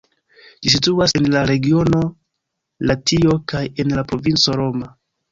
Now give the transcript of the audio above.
Ĝi situas en la regiono Latio kaj en la provinco Roma.